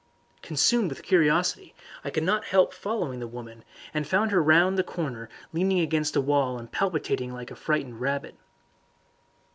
Consumed with curiosity, I could not help following the woman, and found her round the corner leaning against the wall and palpitating like a frightened rabbit.